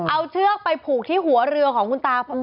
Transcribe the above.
เอาเชือกไปผูกที่หัวเรือของคุณตา